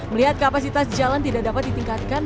melihat kapasitas jalan tidak dapat ditingkatkan